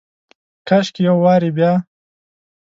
کاشکي یو وارې بیا،